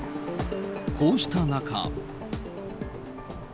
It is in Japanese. こうした中。